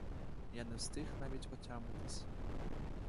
Я не встиг навіть отямитись.